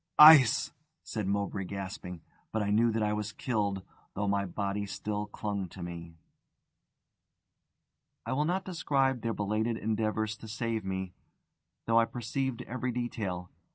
"Ice!" said Mowbray, gasping. But I knew that I was killed, though my body still clung to me. I will not describe their belated endeavours to save me, though I perceived every detail.